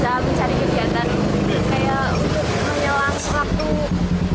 bisa mencari kegiatan kayak untuk menjelang waktu